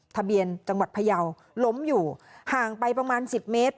ทะเบียนจังหวัดพยาวล้มอยู่ห่างไปประมาณ๑๐เมตร